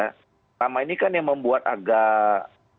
pertama ini kan yang membuat agak